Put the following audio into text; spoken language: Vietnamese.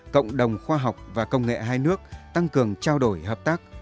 cộng đồng khoa học và công nghệ hai nước tăng cường trao đổi hợp tác